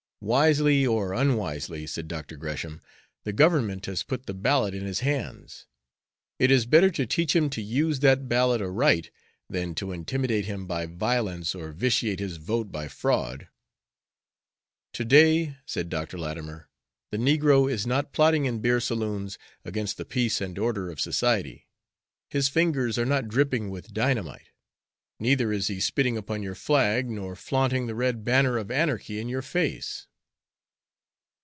"Wisely, or unwisely," said Dr. Gresham, "the Government has put the ballot in his hands. It is better to teach him to use that ballot aright than to intimidate him by violence or vitiate his vote by fraud." "To day," said Dr. Latimer, "the negro is not plotting in beer saloons against the peace and order of society. His fingers are not dripping with dynamite, neither is he spitting upon your flag, nor flaunting the red banner of anarchy in your face."